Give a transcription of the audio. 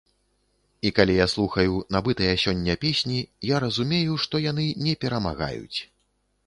І калі я слухаю набытыя сёння песні, я разумею, што яны не перамагаюць.